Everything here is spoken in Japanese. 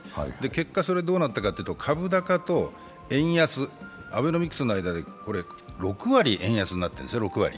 結果、どうなったかというと株高と円安、アベノミクスの間に６割円安になってるんですよ。